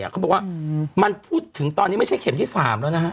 เขาบอกว่ามันพูดถึงตอนนี้ไม่ใช่เข็มที่๓แล้วนะฮะ